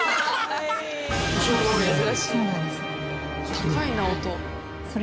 高いな音。